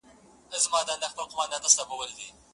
o بابولاله.